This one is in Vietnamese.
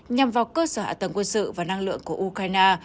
nhằm vào cơ sở hạ tầng quân sự và năng lượng của ukraine